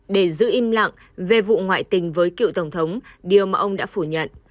để giữ im lặng về vụ ngoại tình với cựu tổng thống điều mà ông đã phủ nhận